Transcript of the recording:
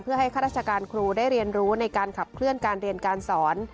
เพื่อให้ข้าราชการครูได้เรียนรู้ในการขับเคลื่อนการเรียนการสอน